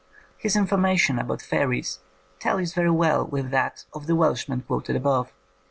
His information about fairies tallies very well with that of the Welshman quoted above.